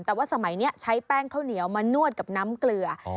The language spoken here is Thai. แต่ว่าสมัยนี้ใช้แป้งข้าวเหนียวมานวดกับน้ำเกลือ